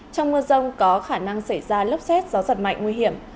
trong mưa rông có khả năng xảy ra lốc xét gió giật mạnh nguy hiểm